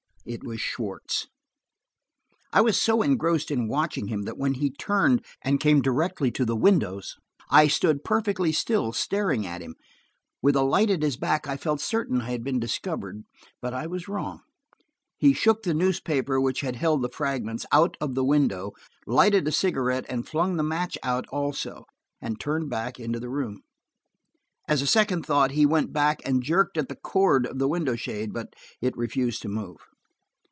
It was Schwartz. I was so engrossed in watching him that when he turned and came directly to the windows I stood perfectly still, staring at him. With the light at his back, I felt certain I had been discovered, but I was wrong. He shook the newspaper which had held the fragments, out of the window, lighted a cigarette and flung the match out also, and turned back into the room. As a second thought, he went back and jerked at the cord of the window shade, but it refused to move.